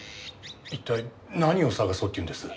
一体何を探そうっていうんです？